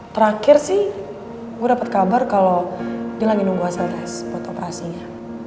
terakhir sih gue dapat kabar kalau dia lagi nunggu hasil tes buat operasinya